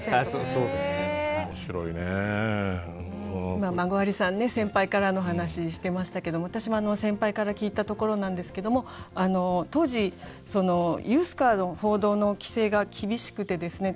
今孫存さんね先輩からの話してましたけども私も先輩から聞いたところなんですけども当時ＵＳＣＡＲの報道の規制が厳しくてですね